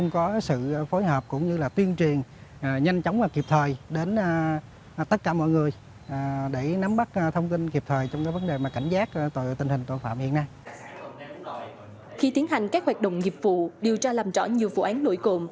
khi tiến hành các hoạt động nghiệp vụ điều tra làm rõ nhiều vụ án nổi cộm